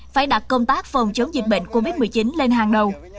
phải đặt công tác phòng chống dịch bệnh covid một mươi chín lên hàng đầu